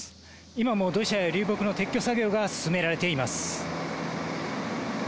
今も土砂や流木の撤去作業が進められています。